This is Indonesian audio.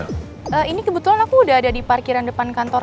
hai al gimana kamu bisa ini kebetulan aku udah ada di parkiran depan kantor